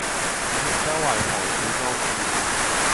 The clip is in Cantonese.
以及周圍防鼠裝置